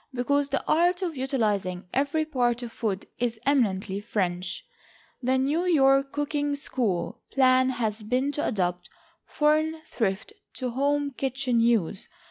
Because the art of utilizing every part of food is eminently French, the NEW YORK COOKING SCHOOL plan has been to adapt foreign thrift to home kitchen use.